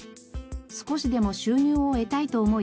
少しでも収入を得たいと思い